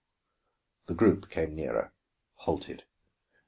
The group came nearer, halted.